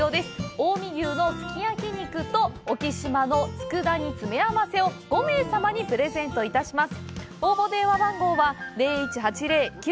近江牛のすき焼き肉と沖島のつくだ煮詰め合わせを５名様にプレゼントいたします。